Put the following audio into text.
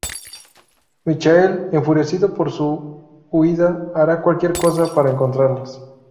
Michael, enfurecido por su huida, hará cualquier cosa para encontrarlas.